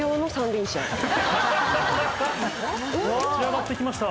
立ち上がって来ました